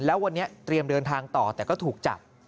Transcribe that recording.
แล้ววันนี้เตรียมเดินทางต่อแต่ก็ถูกจับ